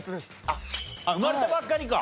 あっ生まれたばっかりか。